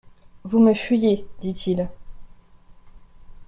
Vous me fuyez, dit-il.